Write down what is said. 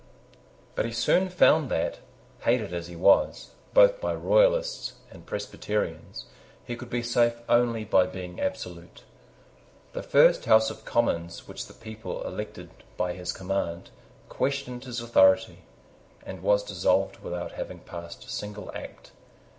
But he soon found that, hated as he was, both by Royalists and Presbyterians, he could be safe only by being absolute. The first House of Commons which the people elected by his command, questioned his authority, and was dissolved without having passed a single act.